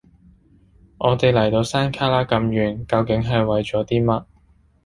我哋嚟到到山旮旯咁遠，究竟為咗啲乜？